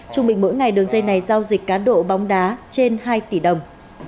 chúng mình mỗi ngày đường dây này giao dịch cá độ bóng đá trên hai tỷ đồng